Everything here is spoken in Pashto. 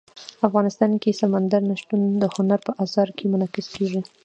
افغانستان کې سمندر نه شتون د هنر په اثار کې منعکس کېږي.